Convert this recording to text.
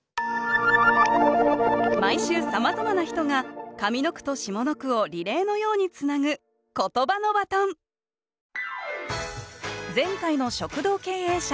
毎週さまざまな人が上の句と下の句をリレーのようにつなぐ前回の食堂経営者